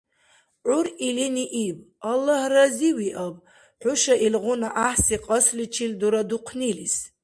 ГӀур илини иб: – Аллагь разивиаб хӀуша илгъуна гӀяхӀси кьасличил дурадухънилис.